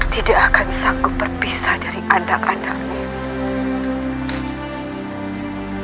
tidak akan sanggup berpisah dari anak anaknya